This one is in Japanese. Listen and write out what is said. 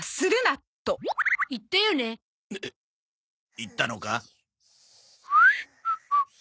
言ったのか？